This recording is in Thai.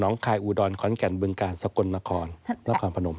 น้องคายอูดรคอนกรรมบึงการสกลนครและพรภนม